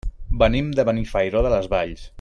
Venim de Benifairó de les Valls.